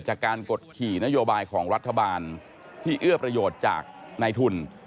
จากการกดขี่นโยบายของรัฐบาลที่เอื้อประโยชน์จากในทุน